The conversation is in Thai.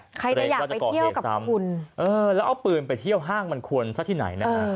ใครจะอยากไปเที่ยวกับคุณเออแล้วเอาปืนไปเที่ยวห้างมันควรซะที่ไหนนะฮะ